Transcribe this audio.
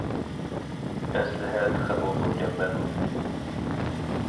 ئەسلىھە تېخىمۇ مۇكەممەل بولدى.